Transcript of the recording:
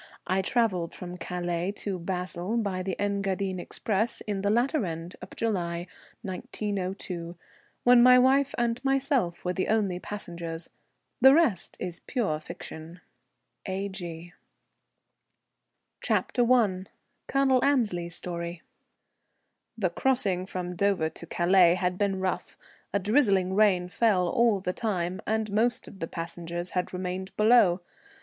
I travelled from Calais to Basle by the Engadine Express in the latter end of July, 1902, when my wife and myself were the only passengers. The rest is pure fiction._ A.G. CHAPTER I. [Colonel Annesley's Story] The crossing from Dover to Calais had been rough; a drizzling rain fell all the time, and most of the passengers had remained below.